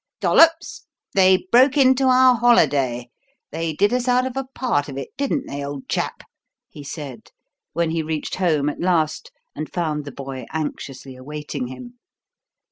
"Dollops, they broke into our holiday they did us out of a part of it, didn't they, old chap?" he said, when he reached home at last and found the boy anxiously awaiting him.